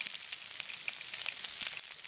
ګلاب د ژوند خوږ خوند لري.